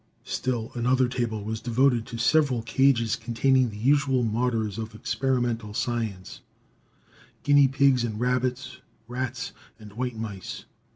Still another table was devoted to several cages, containing the usual martyrs of experimental science: guinea pigs and rabbits, rats and white mice.